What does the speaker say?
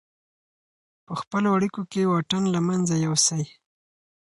په خپلو اړیکو کې واټن له منځه یوسئ.